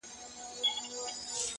زما د لس جامـــــــــــه نشه ماته شوه